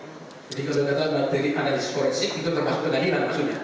jadi kalau dikatakan materi analisis forensik itu termasuk penandingan maksudnya